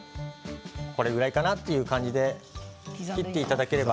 これぐらいかなという感じで切っていただければ。